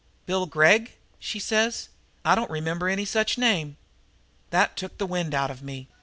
"'Bill Gregg?' she says. 'I don't remember any such name!' "That took the wind out of me.